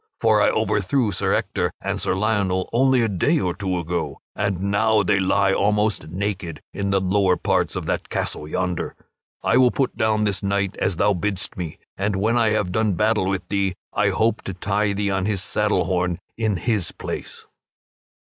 For I overthrew Sir Ector and Sir Lionel only a day or two ago, and now they lie almost naked in the lower parts of that castle yonder. I will put down this knight as thou biddst me, and when I have done battle with thee I hope to tie thee on his saddle horn in his place."